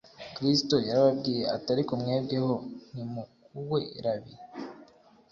Kristo yarababwiye ati: "Ariko mwebwe ho ntimukuwe Rabi ....